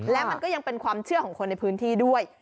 และมันก็ยังเป็นความเชื่อของคนในพื้นที่ด้วย